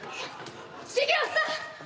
茂雄さん！